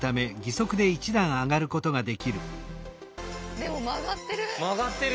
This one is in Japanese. でも曲がってる。